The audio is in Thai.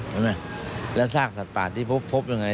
ใช่ไหมแล้วซากสัตว์ป่าสที่พบยังไง